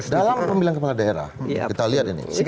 dalam pemilihan kepala daerah kita lihat ini